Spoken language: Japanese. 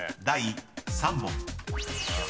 ［第３問］